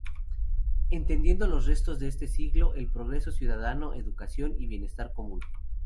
Entendiendo los retos de este siglo, el progreso ciudadano, educación y bienestar común.